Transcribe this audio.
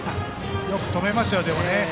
でも、よく止めましたよ。